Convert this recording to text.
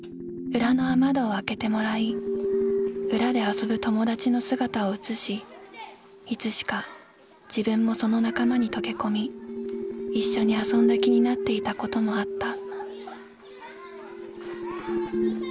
裏の雨戸を開けてもらい裏で遊ぶ友達の姿を写しいつしか自分もその仲間にとけ込みいっしょに遊んだ気になっていた事もあった」。